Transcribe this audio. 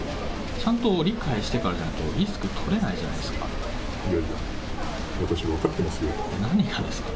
ちゃんと理解してからじゃないとリスク取れないじゃないですいやいや、私、何がですか？